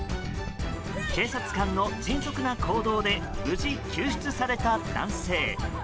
警察官の迅速な行動で無事救出された男性。